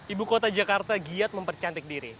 ibu kota jakarta giat mempercantik diri